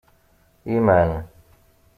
Iman.